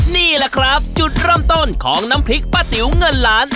นี่แหละครับจุดเริ่มต้นของน้ำพริกป้าติ๋วเงินล้าน